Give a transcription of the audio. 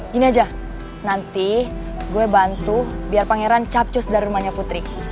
gini aja nanti gue bantu biar pangeran capcus dari rumahnya putri